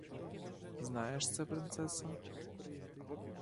Знає ж це принцеса?